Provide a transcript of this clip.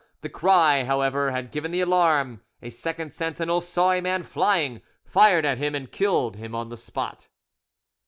The cry, however, had given the alarm: a second sentinel saw a man flying, fired at him, and killed him on the spot.